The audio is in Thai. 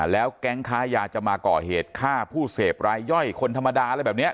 แล้วแก๊งค้ายาจะมาก่อเหตุฆ่าผู้เสพรายย่อยคนธรรมดาอะไรแบบนี้